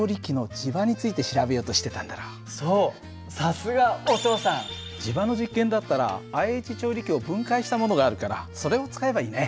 磁場の実験だったらＩＨ調理器を分解したものがあるからそれを使えばいいね。